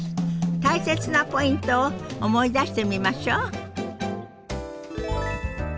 大切なポイントを思い出してみましょう。